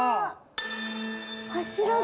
柱が。